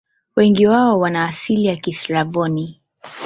Wengi wao wana asili ya Kislavoni.